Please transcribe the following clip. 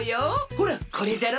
ほらこれじゃろ？